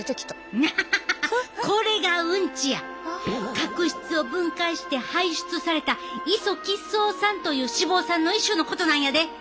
角質を分解して排出されたイソ吉草酸という脂肪酸の一種のことなんやで。